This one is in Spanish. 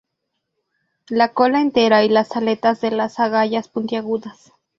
La cola entera, y las aletas de las agallas puntiagudas.